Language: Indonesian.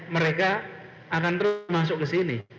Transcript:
mereka akan terus masuk ke sini